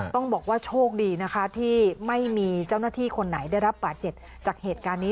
ต้องบอกว่าโชคดีนะคะที่ไม่มีเจ้าหน้าที่คนไหนได้รับบาดเจ็บจากเหตุการณ์นี้